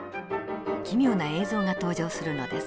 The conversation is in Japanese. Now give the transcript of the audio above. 奇妙な映像が登場するのです。